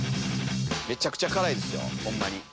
めちゃくちゃ辛いですよホンマ。